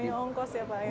gak punya ongkos ya pak ya